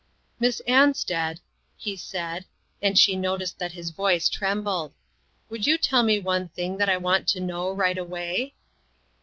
" Miss Ansted," he said, and she noticed that his voice trembled, " would you tell me one thing that I want to know right away?"